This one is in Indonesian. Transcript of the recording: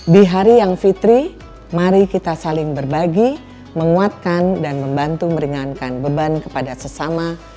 di hari yang fitri mari kita saling berbagi menguatkan dan membantu meringankan beban kepada sesama